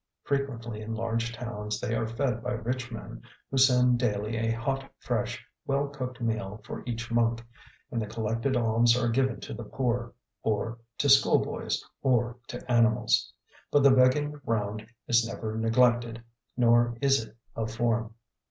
Frequently in large towns they are fed by rich men, who send daily a hot, fresh, well cooked meal for each monk, and the collected alms are given to the poor, or to schoolboys, or to animals. But the begging round is never neglected, nor is it a form.